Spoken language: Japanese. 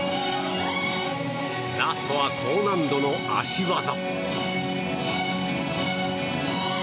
ラストは高難度の脚技。